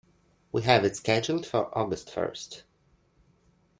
We have it scheduled for August first.